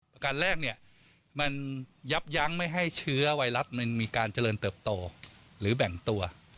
ประการแรกเนี่ยมันยับยั้งไม่ให้เชื้อไวรัสมันมีการเจริญเติบโตหรือแบ่งตัว